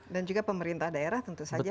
dan juga pemerintah daerah tentu saja